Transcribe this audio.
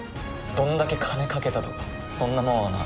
どんだけ金掛けたとかそんなもんはな